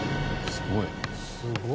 すごい！